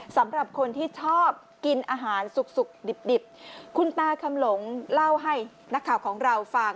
สำหรับคนที่ชอบกินอาหารสุกดิบดิบคุณตาคำหลงเล่าให้นักข่าวของเราฟัง